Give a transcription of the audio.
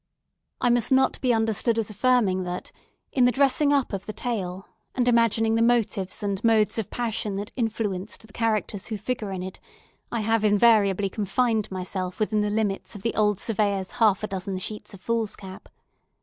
I must not be understood affirming that, in the dressing up of the tale, and imagining the motives and modes of passion that influenced the characters who figure in it, I have invariably confined myself within the limits of the old Surveyor's half a dozen sheets of foolscap.